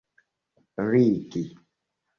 ligi